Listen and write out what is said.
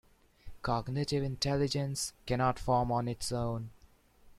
Cognitive Intelligence cannot form on its own.